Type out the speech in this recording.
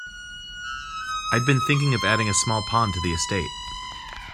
I'd been thinking of adding a small pond to the estate.